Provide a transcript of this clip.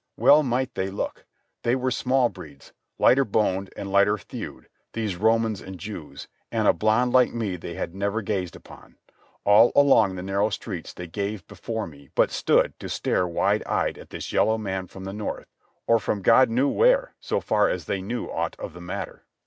Well might they look. They were small breeds, lighter boned and lighter thewed, these Romans and Jews, and a blonde like me they had never gazed upon. All along the narrow streets they gave before me but stood to stare wide eyed at this yellow man from the north, or from God knew where so far as they knew aught of the matter.